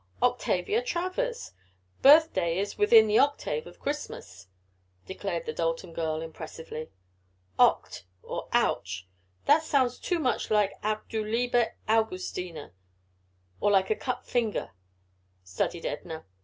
"Octavia Travers! Birthday is within the octave of Christmas," declared the Dalton girl impressively. "Oct or Ouch! That sounds too much like Auch du lieber Augustine, or like a cut finger," studied Edna.